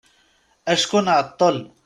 Acku nɛeṭṭel.